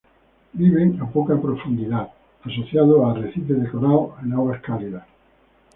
Viven a poco profundidad asociados a arrecifes de coral en aguas cálidas.